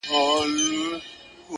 دومره خو هم گراني بې باكه نه يې-